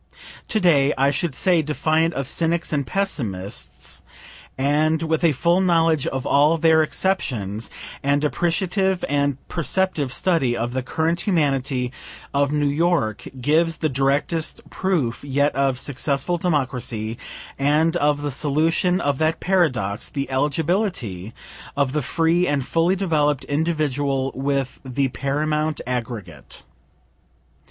To day, I should say defiant of cynics and pessimists, and with a full knowledge of all their exceptions an appreciative and perceptive study of the current humanity of New York gives the directest proof yet of successful Democracy, and of the solution of that paradox, the eligibility of the free and fully developed individual with the paramount aggregate.